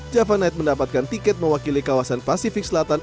java night mendapatkan tiket mewakili kawasan pasifik selatan